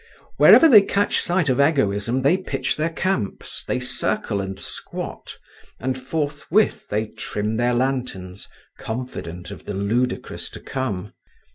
Wherever they catch sight of Egoism they pitch their camps, they circle and squat, and forthwith they trim their lanterns, confident of the ludicrous to come.